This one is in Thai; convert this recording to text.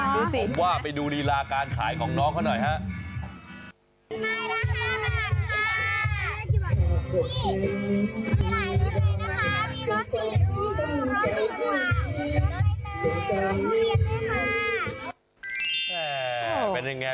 ผมว่าไปดูลีลาการขายของน้องเขาหน่อย